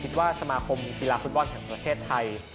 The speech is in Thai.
สมาคมกีฬาฟุตบอลแห่งประเทศไทย